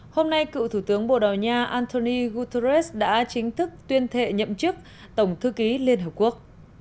hôm nay cựu thủ tướng bồ đào nha antoni guterres đã chính thức tuyên thệ nhậm chức tổng thư ký liên hợp quốc